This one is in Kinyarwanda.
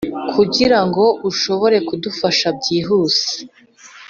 kugira ngo ashobore kudufasha byihuse